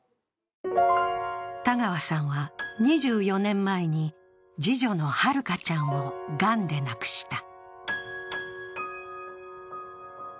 田川さんは２４年前に次女のはるかちゃんをがんで亡くした。